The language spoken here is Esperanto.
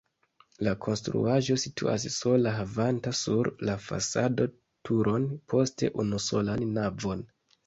La konstruaĵo situas sola havanta sur la fasado turon, poste unusolan navon.